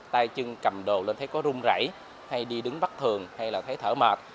tay chân cầm đồ lên thấy có rung rảy hay đi đứng bắt thường hay là thấy thở mệt